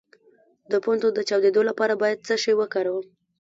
د پوندو د چاودیدو لپاره باید څه شی وکاروم؟